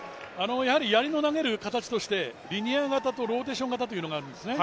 やりの投げる形としてリニア型とローテーション型というのがあるんですね。